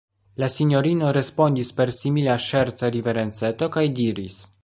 La sinjorino respondis per simila ŝerca riverenceto, kaj diris: